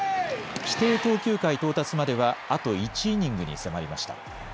規定投球回到達まではあと１イニングに迫りました。